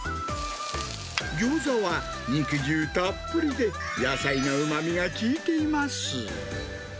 ギョーザは肉汁たっぷりで、野菜のうまみが効いています。